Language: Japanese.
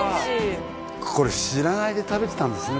これ知らないで食べてたんですね